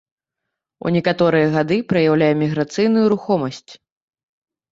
У некаторыя гады праяўляе міграцыйную рухомасць.